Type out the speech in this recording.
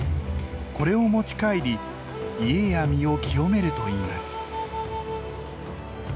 これを持ち帰り家や身を清めるといいます。